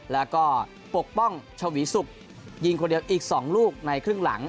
แล้วก็ปกป้องชวีสุกยิงคนเดียวอีก๒ลูกในครึ่งหลัง